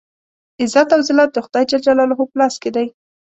عزت او ذلت د خدای جل جلاله په لاس کې دی.